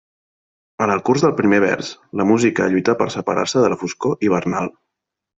En el curs del primer vers, la música lluita per separar-se de la foscor hivernal.